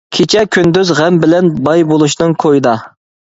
كېچە-كۈندۈز غەم بىلەن باي بولۇشنىڭ كويىدا.